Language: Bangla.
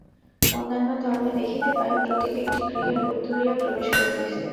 অন্যান্য ধর্মে দেখিতে পাই, প্রতীক একটি গৃহের রূপ ধরিয়া প্রবেশ করিতেছে।